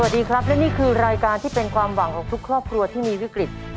สวัสดีครับและนี่คือรายการที่เป็นความหวังของทุกครอบครัวที่มีวิกฤต